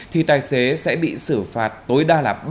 thì tài xế sẽ bị xử phạt tối đa là